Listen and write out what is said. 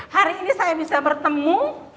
hari ini saya bisa bertemu